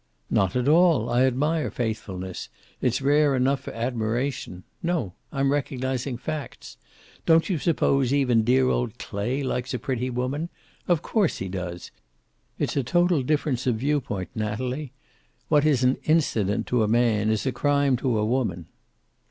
"Not at all. I admire faithfulness. It's rare enough for admiration. No. I'm recognizing facts. Don't you suppose even dear old Clay likes a pretty woman? Of course he does. It's a total difference of view point, Natalie. What is an incident to a man is a crime to a woman."